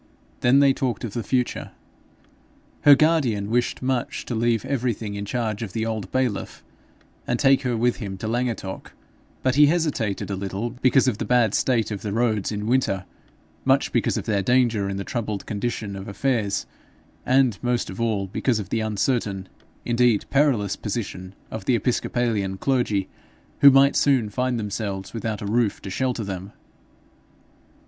Then they talked of the future. Her guardian wished much to leave everything in charge of the old bailiff, and take her with him to Llangattock; but he hesitated a little because of the bad state of the roads in winter, much because of their danger in the troubled condition of affairs, and most of all because of the uncertain, indeed perilous position of the Episcopalian clergy, who might soon find themselves without a roof to shelter them.